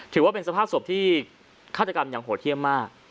หรือว่าเป็นสภาพสบที่ฆาตกรรมอย่างโหดเที่ยมมาก